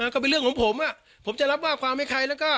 ก็เป็นเรื่องของผมผมจะรับว่าความให้ใครแล้วก็